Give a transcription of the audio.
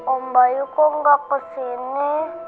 om bayu kok enggak ke sini